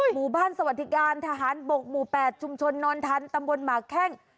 หมู่บ้านสวัสดิการทหารบกหมู่๘ชุมชนนอนทันตำบลหมากแข้ง